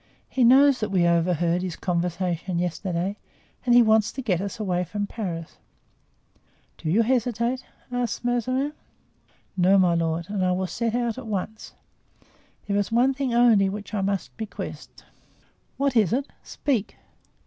"He knows that we overheard his conversation yesterday and he wants to get us away from Paris." "Do you hesitate?" asked Mazarin. "No, my lord, and I will set out at once. There is one thing only which I must request." "What is it? Speak."